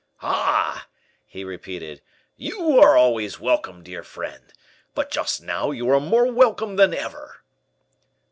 "Ah!" he repeated, "you are always welcome, dear friend; but just now you are more welcome than ever."